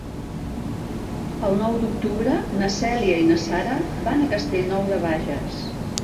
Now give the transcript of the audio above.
El nou d'octubre na Cèlia i na Sara van a Castellnou de Bages.